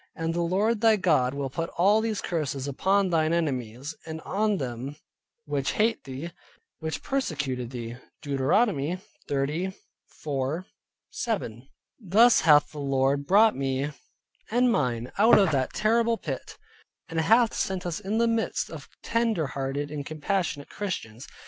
And the Lord thy God will put all these curses upon thine enemies, and on them which hate thee, which persecuted thee" (Deuteronomy 30.4 7). Thus hath the Lord brought me and mine out of that horrible pit, and hath set us in the midst of tender hearted and compassionate Christians.